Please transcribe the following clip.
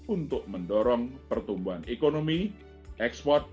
untuk mendorong pertumbuhan ekonomi ekspor